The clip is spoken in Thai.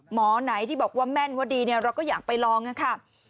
หมอไหนที่บอกว่าแม่นว่าดีเราก็อยากไปลองค่ะ